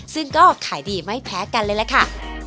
ซึ่งก็ขายดีไม่แพ้กันเลยล่ะค่ะ